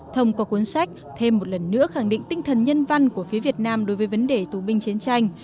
thông qua cuốn sách thêm một lần nữa khẳng định tinh thần nhân văn của phía việt nam đối với vấn đề tù binh chiến tranh